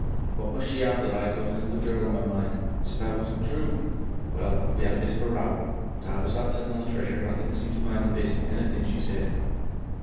What must she 'ave but that I'd got another girl on my mind! Said I wasn't True. Well, we had a bit of a row. But I was that set on the Treasure, I didn't seem to mind a bit Anything she said.